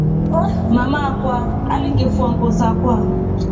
Mama akwa alingefua nguo sakwa.